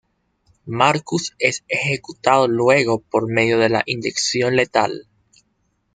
Marcus es ejecutado luego por medio de la inyección letal.